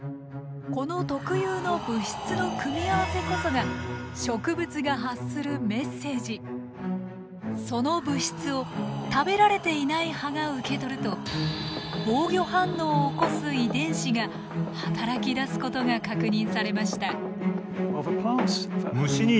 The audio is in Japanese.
この特有の物質の組み合わせこそがその物質を食べられていない葉が受け取ると防御反応を起こす遺伝子が働きだすことが確認されました。